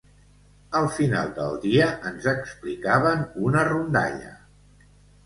Al final del dia ens explicaven una rondalla